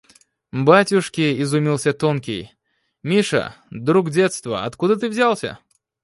— Батюшки! — изумился тонкий.— Миша! Друг детства! Откуда ты взялся?